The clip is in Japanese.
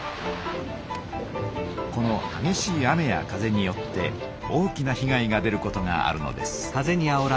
このはげしい雨や風によって大きなひ害が出ることがあるのです。